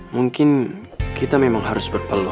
mungkin kita memang harus berpeluang